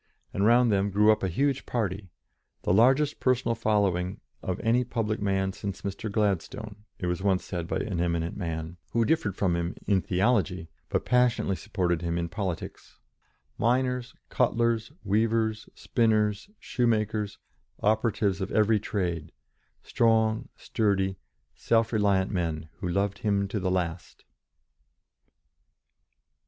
And round them grew up a huge party "the largest personal following of any public man since Mr. Gladstone," it was once said by an eminent man who differed from him in theology, but passionately supported him in politics; miners, cutlers, weavers, spinners, shoemakers, operatives of every trade, strong, sturdy, self reliant men who loved him to the last.